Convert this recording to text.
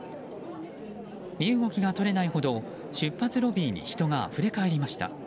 身動きが取れないほど出発ロビーに人があふれ返りました。